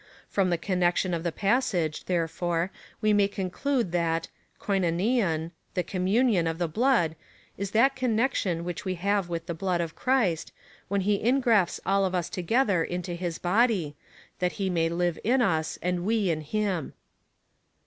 From the connection of the passage, therefore, we may conclude, that (koivcopIuv) the communion of the blood is that connection which we have with the blood of Christ, when he ingrafts all of us together into his body, that he may live in us, and we in him.